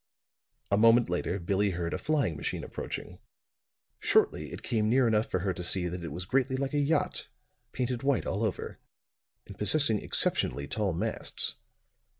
A moment later Billie heard a flying machine approaching. Shortly it came near enough for her to see that it was greatly like a yacht, painted white all over, and possessing exceptionally tall masts.